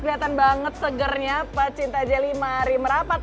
kelihatan banget segernya pak cinta jelly mari merapat